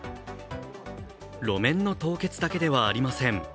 路面の凍結だけではありません。